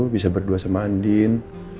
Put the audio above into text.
bisa berdua sama andin